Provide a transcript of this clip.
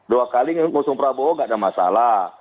dua kali mengusung prabowo gak ada masalah